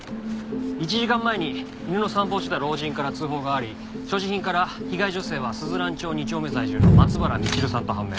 １時間前に犬の散歩をしてた老人から通報があり所持品から被害女性は鈴蘭町２丁目在住の松原みちるさんと判明。